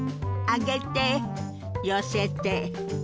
上げて寄せて。